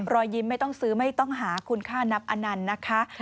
รอยยิ้มไม่ต้องซื้อไม่ต้องหาคุณค่านับอนันต์นะคะ